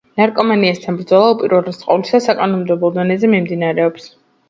ნარკომანიასთან ბრძოლა, უპირველეს ყოვლისა, საკანონმდებლო დონეზე მიმდინარეობს.